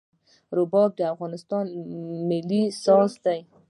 رباب د افغانستان ملي ساز دی.